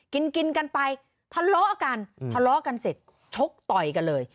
กินกินกันไปทะเลาะกันทะเลาะกันเสร็จชกต่อยกันเลย